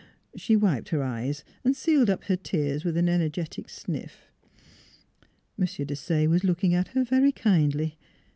She wiped her eyes and sealed up her tears with an energetic sniff. M. Desaye was looking at her very kindly.